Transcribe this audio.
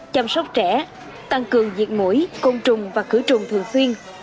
chăm sóc trẻ tăng cường diệt mũi côn trùng và khử trùng thường xuyên